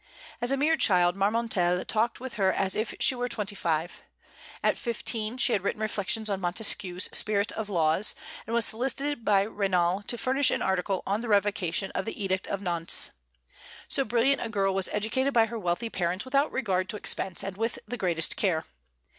As a mere child Marmontel talked with her as if she were twenty five. At fifteen, she had written reflections on Montesquieu's "Spirit of Laws," and was solicited by Raynal to furnish an article on the Revocation of the Edict of Nantes. So brilliant a girl was educated by her wealthy parents without regard to expense and with the greatest care.